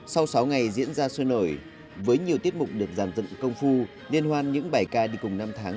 sau sáu ngày diễn ra sôi nổi với nhiều tiết mục được giàn dựng công phu liên hoan những bài ca đi cùng năm tháng